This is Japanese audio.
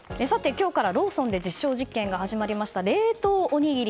今日からローソンで実証実験が始まりました冷凍おにぎり。